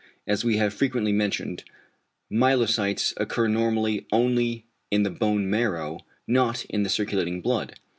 As we have frequently mentioned, myelocytes occur normally only in the bone marrow, not in the circulating blood.